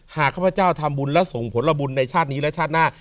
ข้าพเจ้าทำบุญและส่งผลบุญในชาตินี้และชาติหน้า